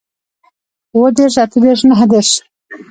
اووه دېرش اتۀ دېرش نهه دېرش